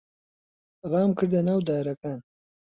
ڕامکردە ناو دارەکان.